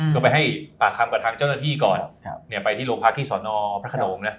ก็ไปให้ปากคำกับทางเจ้าหน้าที่ก่อนไปที่โรงพักที่สอนอพระขนงนะ